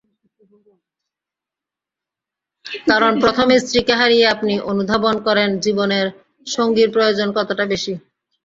কারণ, প্রথম স্ত্রীকে হারিয়ে আপনি অনুধাবন করেন জীবনে সঙ্গীর প্রয়োজন কতটা বেশি।